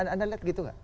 anda lihat gitu gak